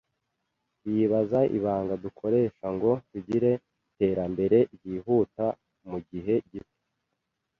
Bibaza ibanga dukoresha ngo tugire iterambere ryihuta mu gihe gito